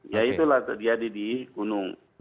ya itulah terjadi di gunung